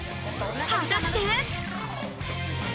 果たして。